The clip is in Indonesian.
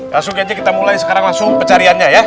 langsung aja kita mulai sekarang langsung pecariannya ya